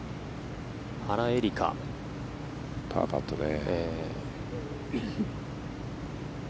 パーパットね。